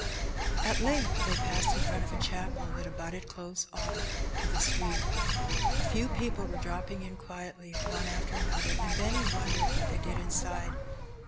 At length they paused in front of a chapel that abutted close on to the street. A few people were dropping in quietly one after another, and Benny wondered what they did inside.